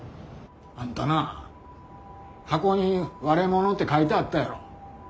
あんたな箱に「割れ物」って書いてあったやろ。